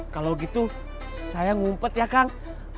kalau gitu saya ngumpet ya kang